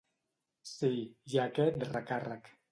Sí, hi ha aquest recàrrec.